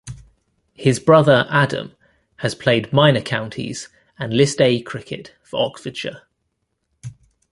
His brother, Adam, has played Minor counties and List A cricket for Oxfordshire.